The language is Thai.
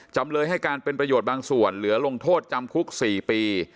จำเลยให้การเป็นประโยชน์บางส่วนเหลือลงโทษจำคุก๔ปี